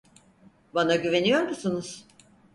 Bana güveniyor musunuz?